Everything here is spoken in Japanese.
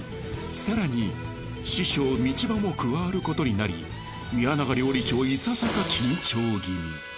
更に師匠道場も加わることになり宮永料理長いささか。